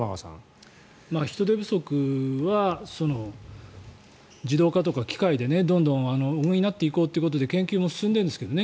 人手不足は自動化とか機械でどんどんなっていこうということで研究も進んでいるんですけどね